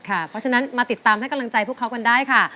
เพราะฉะนั้นมาติดตามให้กำลังใจพวกเขากันได้ค่ะ